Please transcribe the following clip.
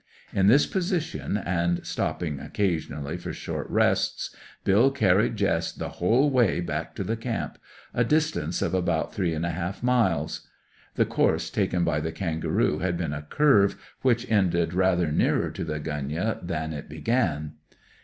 In this position, and stopping occasionally for short rests, Bill carried Jess the whole way back to the camp, a distance of about three and a half miles. (The course taken by the kangaroo had been a curve which ended rather nearer to the gunyah than it began.)